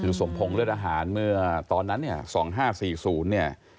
ถึงสมพงษ์เลือดอาหารเมื่อตอนนั้น๒๕๔๐เนี่ย